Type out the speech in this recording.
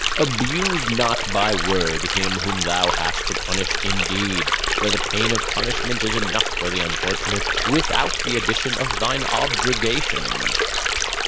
"Abuse not by word him whom thou hast to punish in deed, for the pain of punishment is enough for the unfortunate without the addition of thine objurgations.